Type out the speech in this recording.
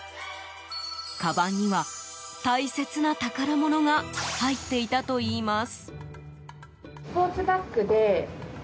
かばんには大切な宝物が入っていたといいます。